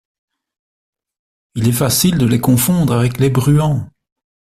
Il est facile de les confondre avec les bruants.